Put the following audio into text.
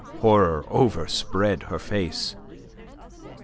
Horror overspread her face.